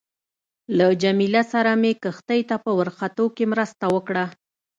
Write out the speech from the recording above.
له جميله سره مې کښتۍ ته په ورختو کې مرسته وکړه.